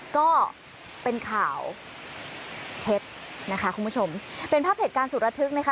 ก็เป็นข่าวเท็จนะคะคุณผู้ชมเป็นภาพเหตุการณ์สุดระทึกนะคะ